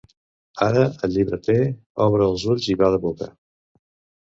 Ara el llibreter obre ulls i bada boca.